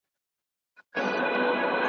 دوه او درې ځله غوټه سو په څپو کي `